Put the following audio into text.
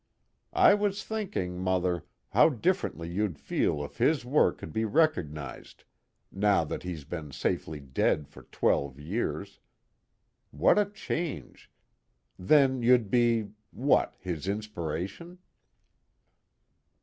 I was thinking, Mother, how differently you'd feel if his work could be recognized, now that he's been safely dead for twelve years. What a change! Then you'd be what, his inspiration?"